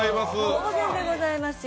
当然でございますよ。